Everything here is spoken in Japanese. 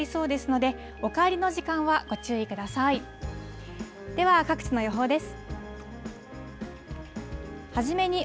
では各地の予報です。